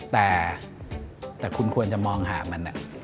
แต่คุณควรจะมองหามัน